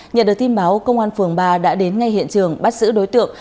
nhận được tin báo công an phường ba đã đến ngay hiện trường bắt giữ đối tượng